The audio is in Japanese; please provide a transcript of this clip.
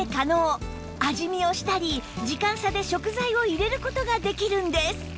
味見をしたり時間差で食材を入れる事ができるんです